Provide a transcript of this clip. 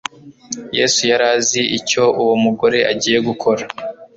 Yesu yari azi icyo uwo mugore agiye gukora.